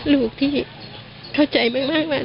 ลูกที่เข้าใจมากเลย